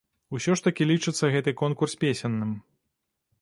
Усё ж такі лічыцца гэты конкурс песенным.